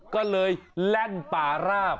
ก็เลยแล่นป่าราบ